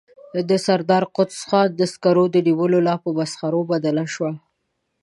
د سردار قدوس خان د سکر د نيولو لاپه په مسخرو بدله شوه.